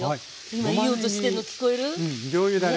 今いい音してるの聞こえる？